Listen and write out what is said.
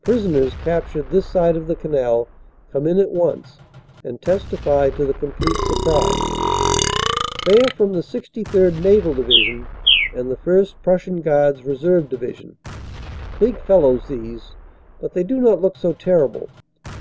Prisoners, captured this side of the canal, come in at once and testify to the complete sur prise. They are from the 63rd. Naval Division and the First Prussian Guards Reserve Division. Big fellows these, but they do not look so terrible.